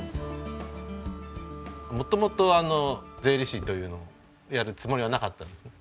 元々税理士というのをやるつもりはなかったので。